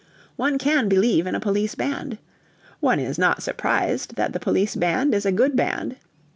One can believe in a police band. One is not surprised that the police band is a good band.